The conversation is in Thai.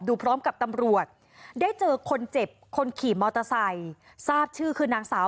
พร้อมกับตำรวจได้เจอคนเจ็บคนขี่มอเตอร์ไซค์ทราบชื่อคือนางสาว